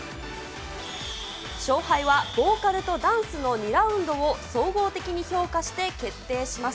勝敗はボーカルとダンスの２ラウンドを総合的に評価して決定します。